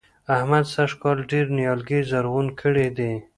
احمد سږ کال ډېر نيالګي زرغون کړي دي.